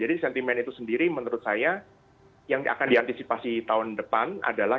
jadi sentiment itu sendiri menurut saya yang akan diantisipasi tahun depan adalah